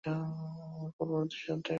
তিনি পূর্বের উদ্দেশ্যে যাত্রা করেন।